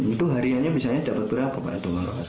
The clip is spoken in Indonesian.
itu hariannya misalnya dapat berapa pak